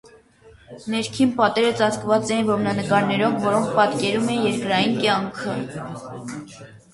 Ներքին պատերը ծածկված էին որմնանկարներով, որոնք պատկերում էին երկրային կյանքը։